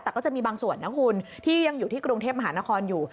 แต่ก็จะมีบางส่วนนะคุณที่ยังอยู่ที่กรุงเทพมหานครอยู่